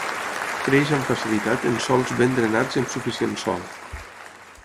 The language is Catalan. Creix amb facilitat en sòls ben drenats i amb suficient sol.